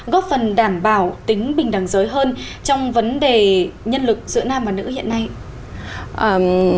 góp phần đảm bảo tính bình đẳng giới hơn trong vấn đề nhân lực giữa nam và nữ hiện nay